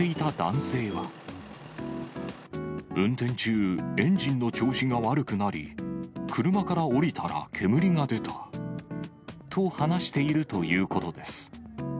運転中、エンジンの調子が悪くなり、車から降りたら、煙が出た。と話しているということです。